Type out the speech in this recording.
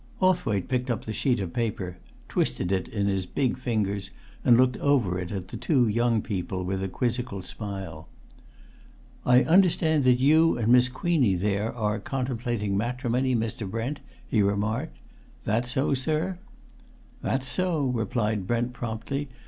Hawthwaite picked up the sheet of paper, twisted it in his big fingers, and looked over it at the two young people with a quizzical smile. "I understand that you and Miss Queenie there are contemplating matrimony, Mr. Brent?" he remarked. "That so, sir?" "That's so," replied Brent promptly.